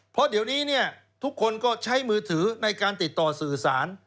เพราะเดี๋ยวนี้เนี่ยทุกคนก็ใช้มือถือในการติดต่อสื่อสาร